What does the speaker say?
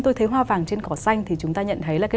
tôi thấy hoa vàng trên cỏ xanh thì chúng ta nhận thấy là cái